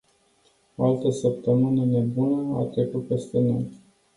O altă săptămână nebună a trecut peste noi.